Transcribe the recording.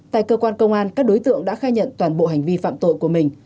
tại cơ quan công an các đối tượng đã khai nhận toàn bộ hành vi phạm tội của mình